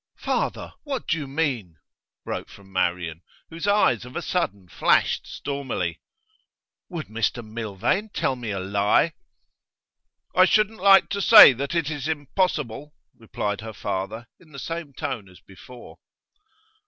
'Father, what do you mean?' broke from Marian, whose eyes of a sudden flashed stormily. 'Would Mr Milvain tell me a lie?' 'I shouldn't like to say that it is impossible,' replied her father in the same tone as before.